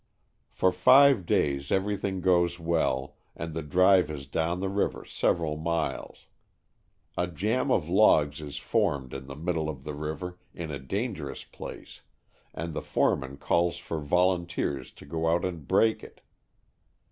For five days everything goes well and the drive is down the river several miles. A jam of logs is formed in the middle of the river in a dangerous place and the foreman calls for volunteers to go out and "break" it.